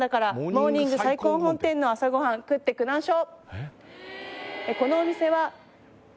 「モーニング菜根本店の朝ごはん」「食ってくなんしょ！」